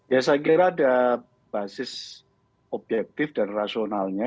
ya saya kira ada basis objektif dan rasionalnya